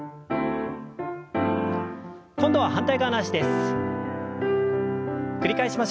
今度は反対側の脚です。